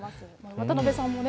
渡辺さんもね